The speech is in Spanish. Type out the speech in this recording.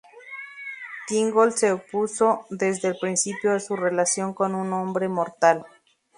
Thingol se opuso desde el principio a su relación con un hombre mortal.